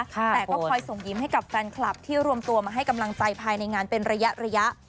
แต่ก็คอยส่งยิ้มให้กับแฟนคลับที่รวมตัวมาให้กำลังใจภายในงานเป็นระยะ